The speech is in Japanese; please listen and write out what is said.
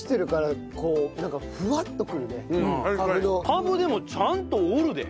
カブでもちゃんとおるで。